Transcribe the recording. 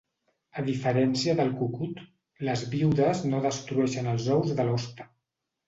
A diferència del cucut, les viudes no destrueixen els ous de l'hoste.